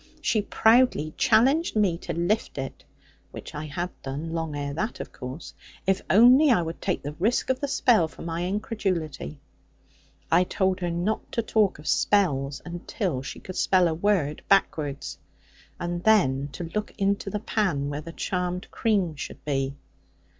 She proudly challenged me to lift it which I had done, long ere that, of course if only I would take the risk of the spell for my incredulity. I told her not to talk of spells, until she could spell a word backwards; and then to look into the pan where the charmed cream should be.